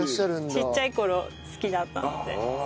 ちっちゃい頃好きだったので。